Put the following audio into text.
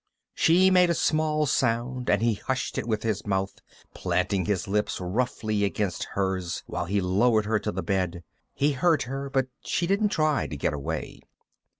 She made a small sound and he hushed it with his mouth, planting his lips roughly against hers while he lowered her to the bed. He hurt her, but she didn't try to get away.